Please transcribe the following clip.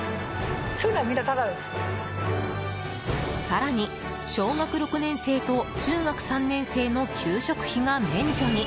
更に小学６年生と中学３年生の給食費が免除に。